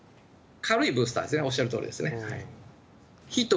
軽いブースターですね、おっしゃるとおりですね。